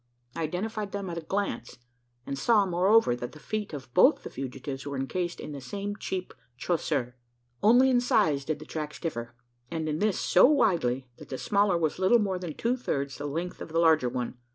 I identified them at a glance; and saw, moreover, that the feet of both the fugitives were encased in the same cheap chaussure. Only in size did the tracks differ; and in this so widely, that the smaller was little more than two thirds the length of the larger one!